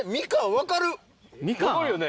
分かるよね？